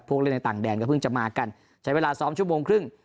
เล่นในต่างแดนก็เพิ่งจะมากันใช้เวลาซ้อมชั่วโมงครึ่ง